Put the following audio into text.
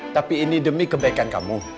tapi ini demi kebaikan kamu